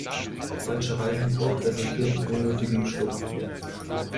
Falscher Reifendruck resultiert in unnötigem Schlupf.